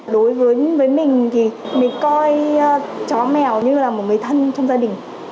đối với mình thì mình coi chó mèo như là một người thân trong gia đình